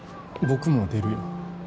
僕も出るよ。